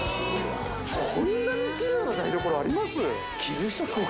こんなにきれいな台所あります？